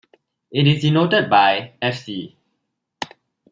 It is denoted by "fc".